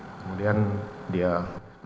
kemudian dia keluar